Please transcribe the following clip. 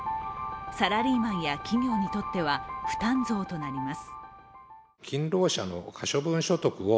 サラリーマンや企業にとっては負担増となります。